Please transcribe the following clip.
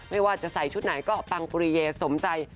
ไม่ว่าจะใส่ชุดไหนก็ปังปรีเยสมใจ